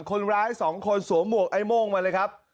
คนร้ายสองคนสวมหวกไอ้โม่งมาเลยครับ